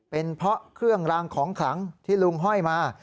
เป็นเพราะเครื่องรางของขลังที่ลุงห้อยมา